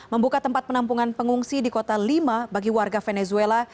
membuka tempat penampungan pengungsi di kota lima bagi warga venezuela